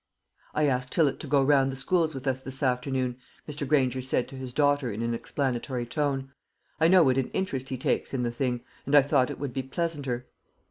"I asked Tillott to go round the schools with us this afternoon," Mr. Granger said to his daughter in an explanatory tone. "I know what an interest he takes in the thing, and I thought it would be pleasanter."